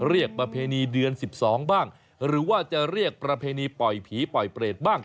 ประเพณีเดือน๑๒บ้างหรือว่าจะเรียกประเพณีปล่อยผีปล่อยเปรตบ้าง